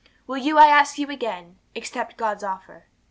'Will you, I ask you again, accept God's offer?